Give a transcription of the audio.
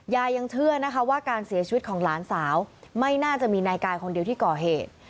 ยังเชื่อนะคะว่าการเสียชีวิตของหลานสาวไม่น่าจะมีนายกายคนเดียวที่ก่อเหตุ